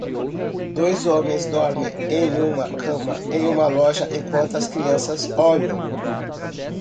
Dois homens dormem em uma cama em uma loja enquanto as crianças olham.